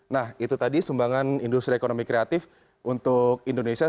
nah itu tadi sumbangan industri ekonomi kreatif untuk indonesia